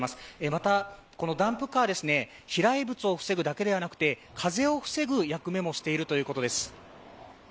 また、このダンプカー、飛来物を防ぐだけではなくて風を防ぐ役目もしているということです。